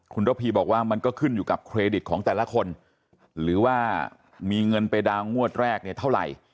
คุณระพีบอกว่ามันก็ขึ้นอยู่กับเครดิตของแต่ละคนหรือว่ามีเงินไปดาวน์งวดแรกเนี่ยเท่าไหร่